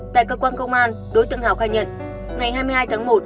tại cơ quan công an đối tượng hào khai nhận ngày hai mươi hai tháng một